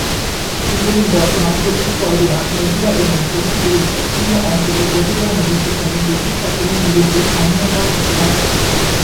তিতুমীর বর্তমান চব্বিশ পরগনা, নদীয়া এবং ফরিদপুরের বিস্তীর্ণ অঞ্চলের অধিকার নিয়ে সেখানে ব্রিটিশ শাসনের বিরুদ্ধে স্বাধীনতা ঘোষণা করেন।